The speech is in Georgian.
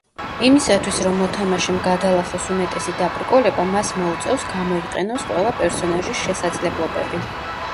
იმისათვის, რომ მოთამაშემ გადალახოს უმეტესი დაბრკოლება, მას მოუწევს გამოიყენოს ყველა პერსონაჟის შესაძლებლობები.